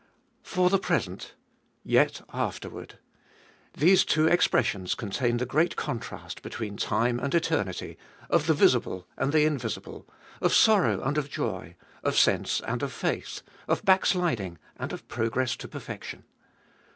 For the present — yet afterward. These two expressions contain the great contrast between time and eternity, of the visible and the invisible, of sorrow and of joy, of sense and of faith, of backsliding and of progress to perfection.